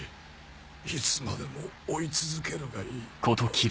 いつまでも追い続けるがいい。